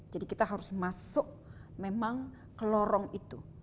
jadi kita harus masuk memang ke lorong itu